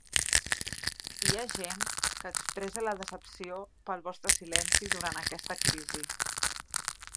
Hi ha gent que expressa la decepció pel vostre silenci durant aquesta crisi.